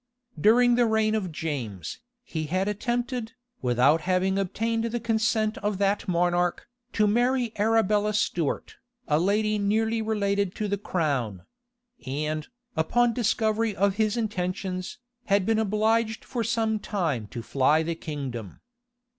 During the reign of James, he had attempted, without having obtained the consent of that monarch, to marry Arabella Stuart, a lady nearly related to the crown; and, upon discovery of his intentions, had been obliged for some time to fly the kingdom.